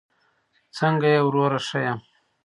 څنګه یې وروره؟ ښه یمه